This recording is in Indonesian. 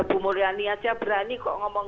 bu mulyani aja berani kok ngomong